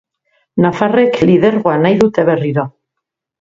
Nafarrek lidergoa nahi dute berriro.